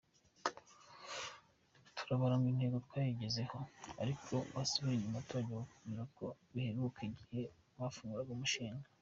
Turabara ngo intego twayigezeho ariko wasubira inyuma abaturage bakakubwira ko biheruka igihe bafunguraga umushinga.”